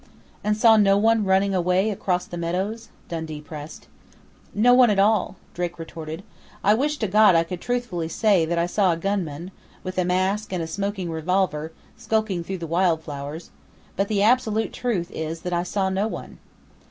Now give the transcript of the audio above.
"And saw no one running away across the meadows?" Dundee pressed. "No one at all," Drake retorted. "I wish to God I could truthfully say that I saw a gunman, with a mask and a smoking revolver, skulking through the wildflowers, but the absolute truth is that I saw no one."